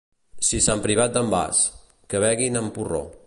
Si Sant Privat d'en Bas, que beguin en porró.